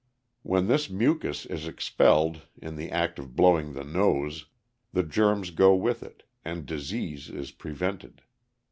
When this mucus is expelled in the act of "blowing the nose," the germs go with it, and disease is prevented.